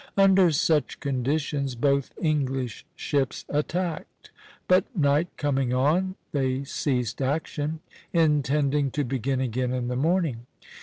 Under such conditions both English ships attacked; but night coming on, they ceased action, intending to begin again in the morning.